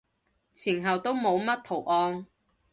前後都冇乜圖案